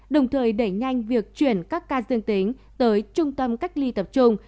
đồng thời đẩy nhanh việc chuyển các ca dương tính tới trung tâm cách ly tập trung